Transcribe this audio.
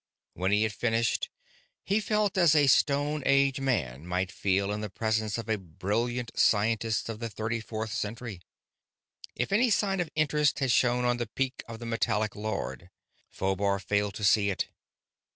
When he had finished, he felt as a Stone Age man might feel in the presence of a brilliant scientist of the thirty fourth century. If any sign of interest had shown on the peak of the metallic lord, Phobar failed to see it.